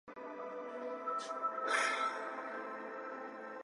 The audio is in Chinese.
当地检察机关在爆炸发生后经过调查认为此事件系非法炸药爆炸。